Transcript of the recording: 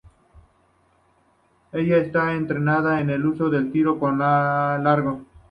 Ella está entrenada en el uso del tiro con largo.